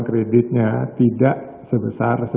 fruit bank indonesia memperkirakan